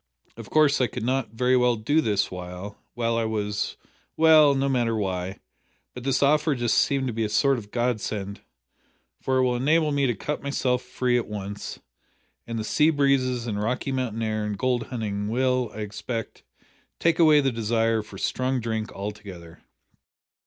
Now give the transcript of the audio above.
Of course I could not very well do this while while I was well, no matter why, but this offer just seemed to be a sort of godsend, for it will enable me to cut myself free at once, and the sea breezes and Rocky Mountain air and gold hunting will, I expect, take away the desire for strong drink altogether."